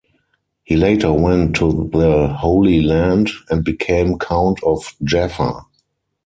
He later went to the Holy Land and became Count of Jaffa.